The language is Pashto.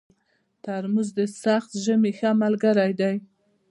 ترموز د سخت ژمي ښه ملګری دی.